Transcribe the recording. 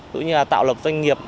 tự nhiên là tạo lập doanh nghiệp